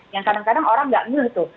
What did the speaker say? yang kadang kadang orang tidak ngeluh itu